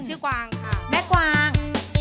ชื่อกวางค่ะแม่กวาง